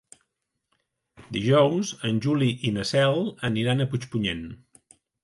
Dijous en Juli i na Cel aniran a Puigpunyent.